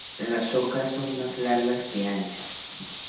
Las hojas son más largas que anchas.